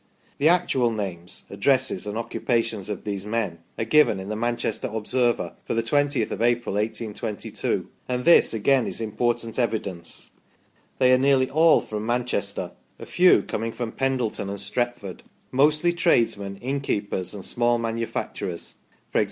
The actual names, addresses, and occupations of these men are given in the " Manchester Observer " for the 20th of April, 1 822, and this, again, is important 14 THE STORY OF PETERLOO evidence. They are nearly all from Manchester, a few coming from Pendleton an3 Stretford ; mostly tradesmen, innkeepers^ and small manufacturers, e.g.